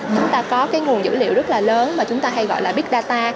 chúng ta có cái nguồn dữ liệu rất là lớn mà chúng ta hay gọi là big data